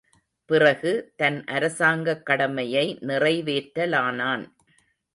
பிறகு தன் அரசாங்கக் கடமையை நிறைவேற்றலானான்.